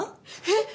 えっ！